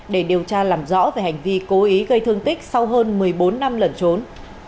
để điều tra làm rõ về hành vi cố ý gây thương tích sau hơn một mươi bốn năm lẩn trốn